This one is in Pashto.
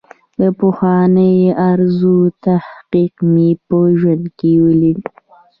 د پخوانۍ ارزو تحقق مې په ژوند کې ولید.